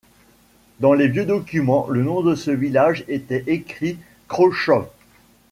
Dans les vieux documents, le nom de ce village était écrit Krzochów.